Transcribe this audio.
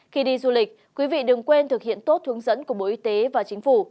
khi đi du lịch quý vị đừng quên thực hiện tốt hướng dẫn của bộ y tế và chính phủ